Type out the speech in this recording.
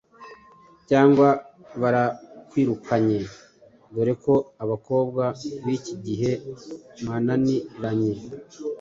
Cyangwa barakwirukanye, dore ko abakobwa b’iki gihe mwananiranye